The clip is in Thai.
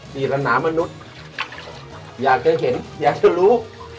สี่ละน้ำมนุษย์อยากจะเห็นอยากจะรู้